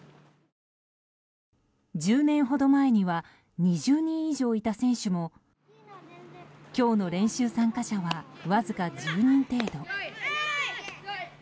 １０年ほど前には２０人ほどいた選手も今日の練習参加者はわずか１０人程度。